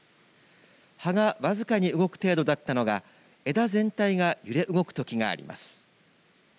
葉が僅かにゆれ動く程度だったのが枝全体が揺れ動くときがあります。